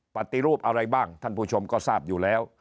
ปฏิรูปอะไรบ้างท่านผู้ชมก็ทราบอยู่แล้ว